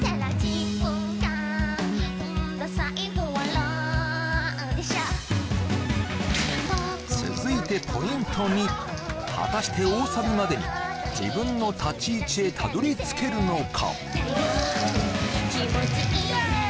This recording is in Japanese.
どうぞ続いてポイント２果たして大サビまでに自分の立ち位置へたどり着けるのか？